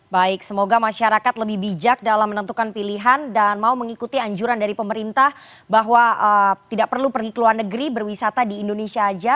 baik semoga masyarakat lebih bijak dalam menentukan pilihan dan mau mengikuti anjuran dari pemerintah bahwa tidak perlu pergi ke luar negeri berwisata di indonesia saja